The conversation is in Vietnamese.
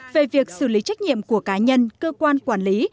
về việc xử lý trách nhiệm của cá nhân cơ quan quản lý